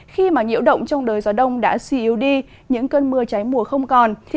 khi mà nhiễu động trong đời gió đông đã suy yếu đi những cơn mưa cháy mùa không còn